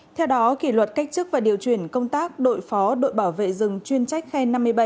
theo đó kỷ luật cách chức và điều chuyển công tác đội phó đội bảo vệ rừng chuyên trách khen năm mươi bảy